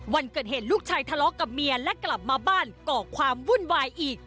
วันเกิดเหตุลูกชายทะเลาะกับเมียและกลับมาบ้านก่อความวุ่นวายอีก